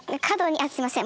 あっすいません